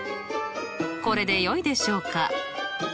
これでよいでしょうか？